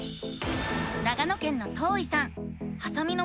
長野県のとういさん。